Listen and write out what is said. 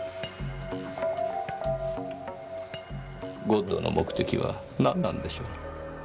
ゴッドの目的は何なんでしょう？